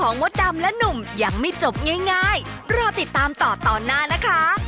ง่ายรอติดตามต่อตอนหน้านะคะ